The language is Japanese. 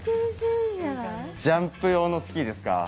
ジャンプ用のスキーですか？